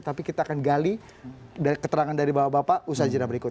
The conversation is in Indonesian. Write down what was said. tapi kita akan gali dari keterangan dari bapak bapak usaha jenah berikut